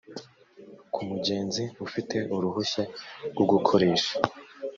ku mugenzi ufite uruhushya rwo gukoresha